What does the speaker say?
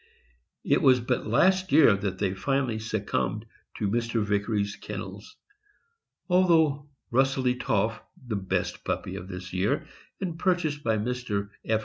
It was but last year that they finally succumbed to Mr. Yicary's kennels, although Russley Toff, the best puppy of this year, and purchased by Mr. F.